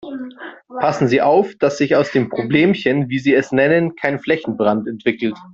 Passen Sie auf, dass sich aus dem Problemchen, wie Sie es nennen, kein Flächenbrand entwickelt.